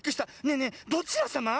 ねえねえどちらさま？